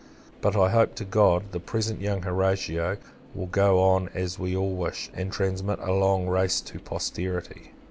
But, I hope to God, the present young Horatio will go on as we all wish, and transmit a long race to posterity.